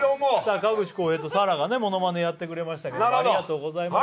河口こうへいと沙羅がものまねをやってくれました、ありがとうございました。